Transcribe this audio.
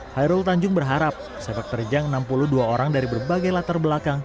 hairul tanjung berharap sepak terjang enam puluh dua orang dari berbagai latar belakang